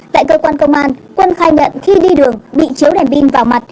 tại cơ quan công an quân khai nhận khi đi đường bị chiếu đèn pin vào mặt